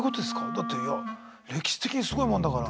だっていや歴史的にすごいもんだから。